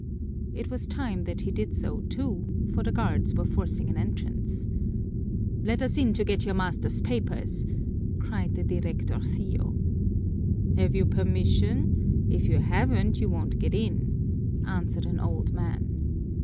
It was time that he did so, too, for the guards were forcing an entrance. "Let us in to get your master's papers!" cried the directorcillo. "Have you permission? If you haven't, you won't get in,'" answered an old man.